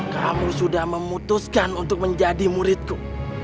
kamu sudah memutuskan untuk menjadi muridku